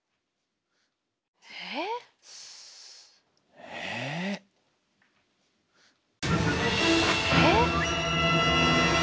ええ？えっ。